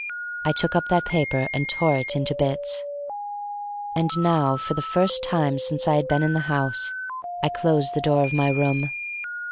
I took up that paper and tore it into bits. And now for the first time since I had been in the house, I closed the door of my room.